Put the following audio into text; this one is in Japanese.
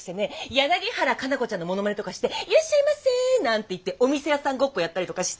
柳原可奈子ちゃんのモノマネとかして「いらっしゃいませ！」なんて言ってお店屋さんごっこやったりとかして。